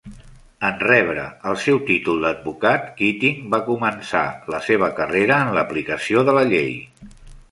En rebre el seu títol d'advocat, Keating va començar la seva carrera en l'aplicació de la llei.